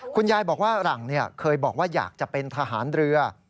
คุณยายบอกว่าหลังเคยบอกว่าอยากจะเป็นทหารเรือ